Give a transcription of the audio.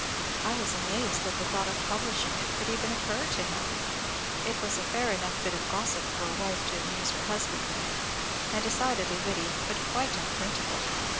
I was amazed that the thought of publishing it could even occur to him. It was a fair enough bit of gossip for a wife to amuse her husband with, and decidedly witty, but quite unprintable.